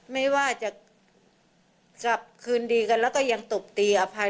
ไม่ว่าจะกลับคืนดีกันแล้วก็ยังตบตีอภัย